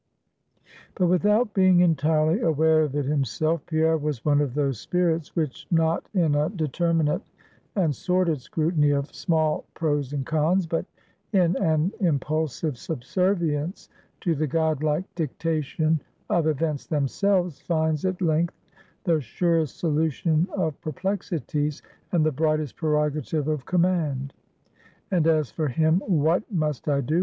But without being entirely aware of it himself, Pierre was one of those spirits, which not in a determinate and sordid scrutiny of small pros and cons but in an impulsive subservience to the god like dictation of events themselves, find at length the surest solution of perplexities, and the brightest prerogative of command. And as for him, What must I do?